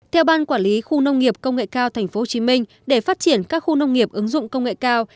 theo ban quản lý khu nông nghiệp công nghệ cao tp hcm để phát triển các khu nông nghiệp ứng dụng công nghệ cao